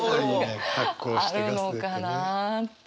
あるのかなって。